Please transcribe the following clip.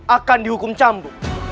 akan dihukum cambuk